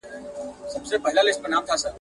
زه قلندر یم په یوه قبله باور لرمه .